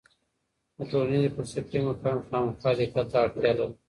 د ټولنيزي فلسفې مفاهیم خامخا دقت ته اړتیا لري.